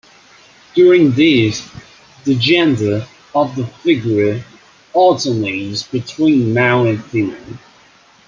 During this, the gender of the figure alternates between male and female.